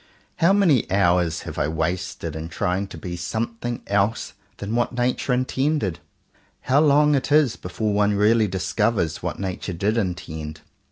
How many hours 100 JOHN COWPER POWYS have I not wasted in trying to be something else than what nature intended! How long it is before one really discovers what nature did intend!